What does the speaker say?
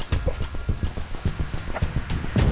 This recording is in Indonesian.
eyy bukan bom borang ya